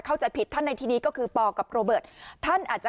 เข้าใจผิดท่านในที่นี้ก็คือปกับโรเบิร์ตท่านอาจจะ